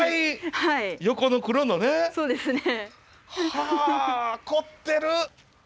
はあ凝ってる！